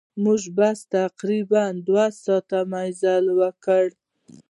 زموږ بس تقریباً دوه ساعته مزل وکړ.